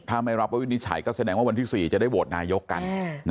ถ้าไม่รับว่าวินิจฉัยก็แสดงว่าวันที่๔จะได้โหวตนายกกัน